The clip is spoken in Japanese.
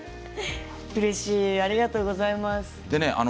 ありがとうございます。